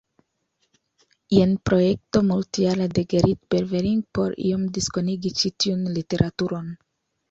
Jen projekto multjara de Gerrit Berveling por iom diskonigi ĉi tiun literaturon.